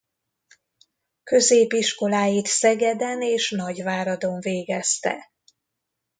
Középiskoláit Szegeden és Nagyváradon végezte.